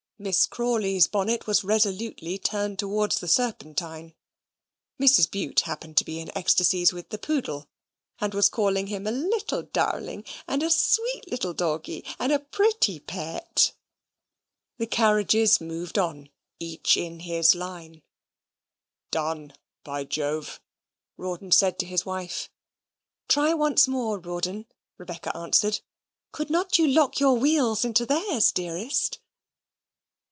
Miss Crawley's bonnet was resolutely turned towards the Serpentine. Mrs. Bute happened to be in ecstasies with the poodle, and was calling him a little darling, and a sweet little zoggy, and a pretty pet. The carriages moved on, each in his line. "Done, by Jove," Rawdon said to his wife. "Try once more, Rawdon," Rebecca answered. "Could not you lock your wheels into theirs, dearest?"